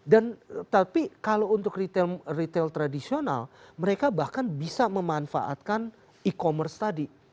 dan tapi kalau untuk retail tradisional mereka bahkan bisa memanfaatkan e commerce tadi